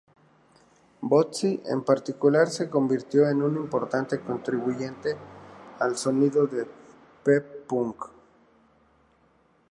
Bootsy, en particular, se convirtió en un importante contribuyente al sonido de P-Funk.